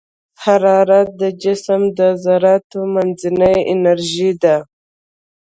حرارت د جسم د ذراتو منځنۍ انرژي ده.